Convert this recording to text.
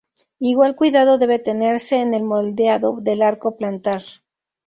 Igual cuidado debe tenerse en el moldeado del arco plantar.